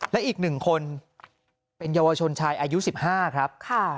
และอีก๑คนเป็นเยาวชนชายอายุ๑๕ครับ